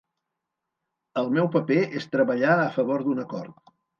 El meu paper és treballar a favor d'un acord.